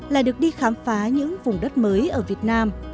là được đi khám phá những vùng đất mới ở việt nam